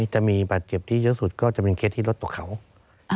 จะมีบาดเจ็บที่เยอะสุดก็จะเป็นเคสที่รถตกเขา